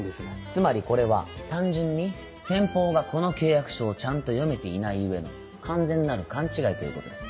つまりこれは単純に先方がこの契約書をちゃんと読めていないゆえの完全なる勘違いということです。